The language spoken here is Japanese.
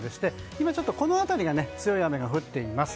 今、この辺りが強い雨が降っています。